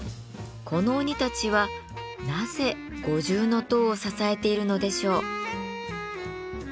この鬼たちはなぜ五重塔を支えているのでしょう。